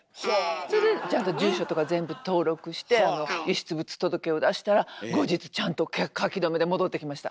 それでちゃんと住所とか全部登録して遺失物届を出したら後日ちゃんと書留で戻ってきました。